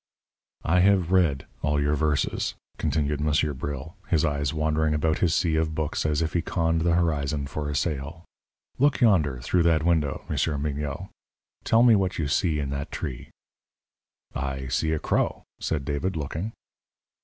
"I have read all your verses," continued Monsieur Bril, his eyes wandering about his sea of books as if he conned the horizon for a sail. "Look yonder, through that window, Monsieur Mignot; tell me what you see in that tree." "I see a crow," said David, looking.